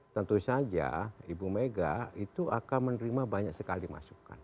tentu saja ibu mega itu akan menerima banyak sekali masukan